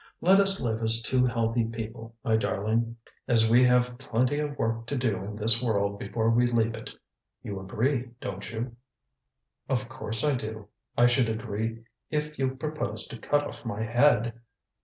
Let us live as two healthy people, my darling, as we have plenty of work to do in this world before we leave it. You agree, don't you?" "Of course I do. I should agree if you proposed to cut off my head."